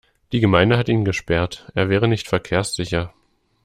Die Gemeinde hat ihn gesperrt. Er wäre nicht verkehrssicher.